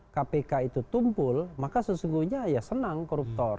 kpk itu tumpul maka sesungguhnya ya senang koruptor